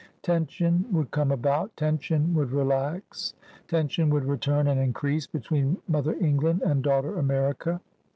Tension would come about, tension would relax, tension would return and increase between Mother England and Daughter America.